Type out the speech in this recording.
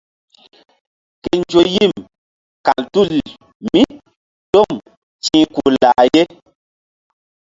Ke nzo yim kal tul mí tom ti̧h ku̧ lah ye.